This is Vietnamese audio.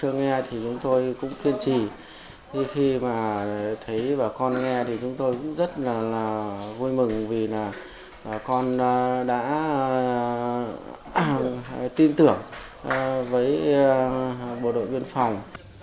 nghe thì chúng tôi cũng kiên trì khi mà thấy và con nghe thì chúng tôi cũng rất là vui mừng vì là con đã tin tưởng với bộ đội biên phòng